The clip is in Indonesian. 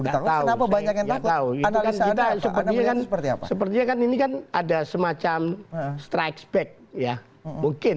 tahu kenapa banyak yang tahu analisa sepertinya kan ini kan ada semacam strike back ya mungkin